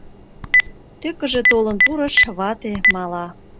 Тӧкыжӧ толын пурыш — вате мала.